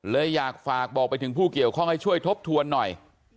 เลยอยากฝากบอกไปถึงผู้เกี่ยวข้องให้ช่วยทบทวนหน่อย